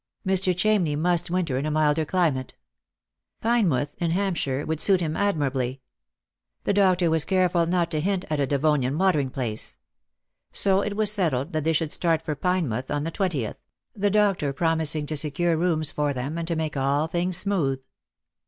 Mr. Chamney must winter in a milder climate. Pinemouth, in Hampshire, would suit him admirably. The doctor was careful not to hint at a Devonian 230 Lost for Love. watering place. So it was settled that they should start for Pinemouth on the twentieth, the doctor promising to secure rooms for them, and to make all things smooth.